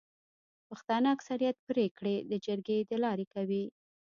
پښتانه اکثريت پريکړي د جرګي د لاري کوي.